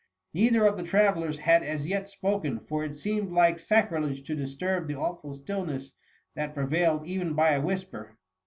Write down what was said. Neither of the travellers had as yet spoken, for it seemed like sacrilege to disturb the awful stillness that prevailed even by a whisper.